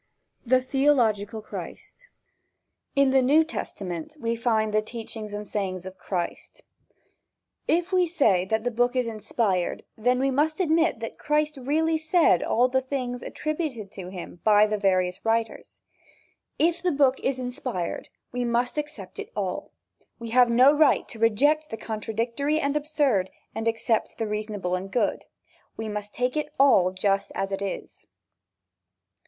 V. THE THEOLOGICAL CHRIST IN the New Testament we find the teachings and sayings of Christ. If we say that the book is inspired, then we must admit that Christ really said all the things attributed to him by the various writers. If the book is inspired we must accept it all. We have no right to reject the contradictory and absurd and accept the reasonable and good. We must take it all just as it is.